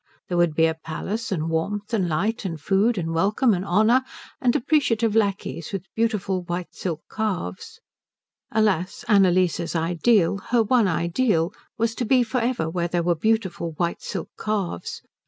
There would be a palace, and warmth, and light, and food, and welcome, and honour, and appreciative lacqueys with beautiful white silk calves alas, Annalise's ideal, her one ideal, was to be for ever where there were beautiful white silk calves.